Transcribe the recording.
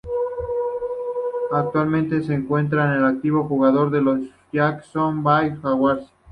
Actualmente se encuentra en activo como jugador de los Jacksonville Jaguars.